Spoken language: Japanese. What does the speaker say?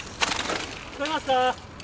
聞こえますか？